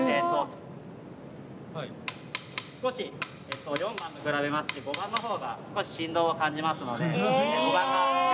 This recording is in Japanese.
少し４番と比べまして５番の方が少し振動を感じますので５番が緩んでると。